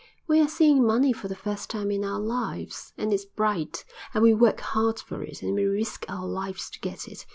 "We're seeing money for the first time in our lives, and it's bright. And we work hard for it, and we risk our lives to get it.